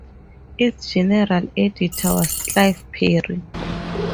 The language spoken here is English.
Its general editor was Clive Parry.